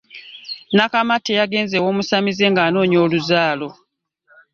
Nakamate yagenze ew'omusamize ng'anoonya luzaalo.